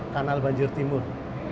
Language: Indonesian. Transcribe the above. kanal banjir timur